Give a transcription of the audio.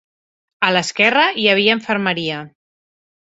A l'esquerra, hi havia infermeria.